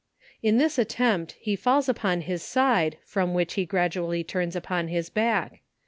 In this attempt, he falls upon his side, from which he grad ually turns upon his back.